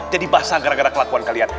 jadi basah gara gara kelakuan kalian